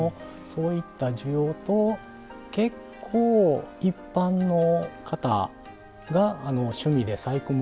そういった需要と結構一般の方が趣味で細工物されたりですとか。